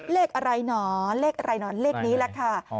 เลขอะไรหนอเลขอะไรหนอนเลขนี้แหละค่ะ